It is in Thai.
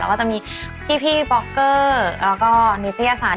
แล้วก็จะมีพี่ป๊อกเกอร์แล้วก็นิตยศาสต